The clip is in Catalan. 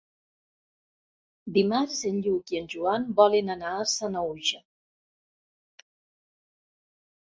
Dimarts en Lluc i en Joan volen anar a Sanaüja.